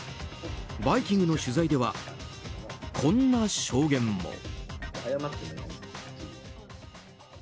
「バイキング」の取材ではこんな証言も。